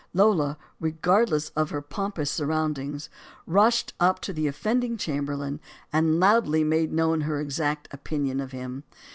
Lola, regardless of her pompous surroundings, rushed up to the offending chamberlain and loudly made known her exact opinion of him.